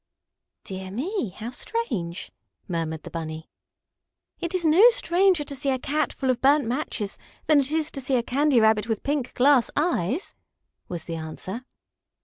"Dear me, how strange!" murmured the Bunny. "It is no stranger to see a Cat full of burnt matches than it is to see a Candy Rabbit with pink glass eyes," was the answer.